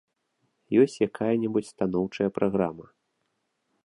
Ёсць якая-небудзь станоўчая праграма?